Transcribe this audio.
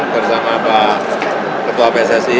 bersama pak ketua pssi